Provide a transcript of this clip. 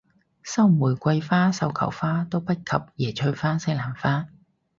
收玫瑰花繡球花都不及椰菜花西蘭花